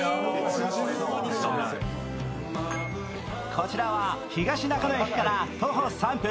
こちらは東中野駅から徒歩３分。